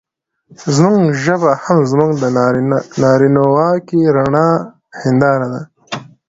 زموږ ژبه هم زموږ د نارينواکۍ رڼه هېنداره ده.